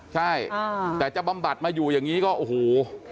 ใช่แต่จะบำบัดมาอยู่อย่างนี้ก็โอ้โห